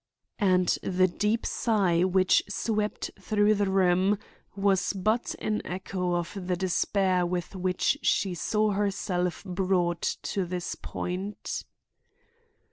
And the deep sigh which swept through the room was but an echo of the despair with which she saw herself brought to this point.